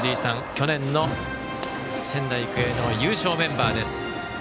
去年の仙台育英の優勝メンバー。